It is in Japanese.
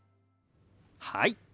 はい。